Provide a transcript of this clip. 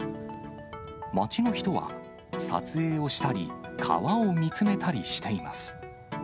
街の人は撮影をしたり、川を見つめたりしています。